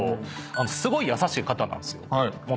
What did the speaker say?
すごい優しい方なんすよ。